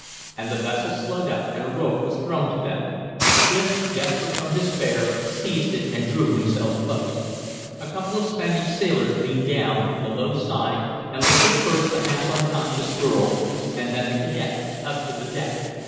And the vessel slowed up and a rope was thrown to them. Clif desperate from despair, seized it and drew himself close. A couple of Spanish sailors leaned down from the low side and lifted first the half unconscious girl and then the cadet up to the deck.